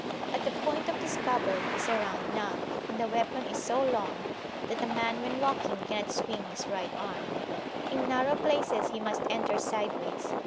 At the point of the scabbard is a round knob, and the weapon is so long, that a man when walking cannot swing his right [p.107] arm. In narrow places he must enter sideways.